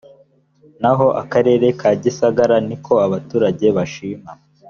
naho akarere ka gisagara niko abaturage bashima .